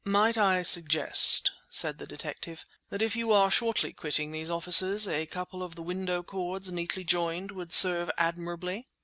"Might I suggest," said the detective, "that if you are shortly quitting these offices a couple of the window cords neatly joined would serve admirably?"